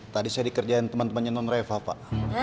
tadi saya dikerjain teman temannya non reva pak